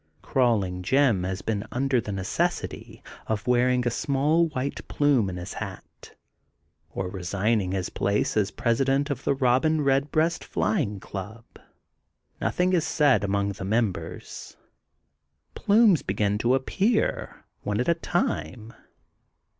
Crawling Jim has been under the necessity of wearing a small white plume in his hat, or resigning his place as President of the Robin Redbreast Flying Club. Noth ing is said among the members. Plumes begin to appear one at a time.